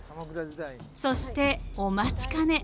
そしてお待ちかね。